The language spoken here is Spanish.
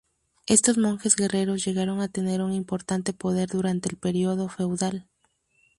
Estos monjes guerreros llegaron a tener un importante poder durante el período feudal.